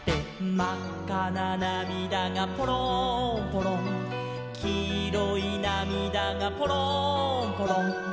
「まっかななみだがぽろんぽろん」「きいろいなみだがぽろんぽろん」